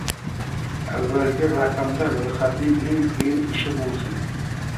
Avvalgi raqamda ro’yxatning eng qiyin ishi bo’lsin